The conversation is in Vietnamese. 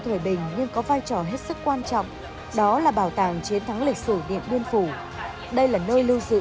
một vai trò hết sức quan trọng đó là bảo tàng chiến thắng lịch sử điện biên phủ đây là nơi lưu giữ